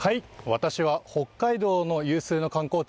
私は北海道の有数の観光地